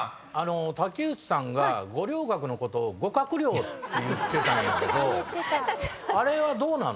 竹内さんが五稜郭のことを「ごかくりょう」って言ってたんやけどあれはどうなの？